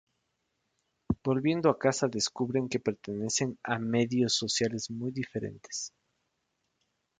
Volviendo a casa, descubren que pertenecen a medios sociales muy diferentes.